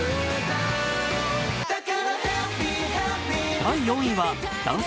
第４位は男性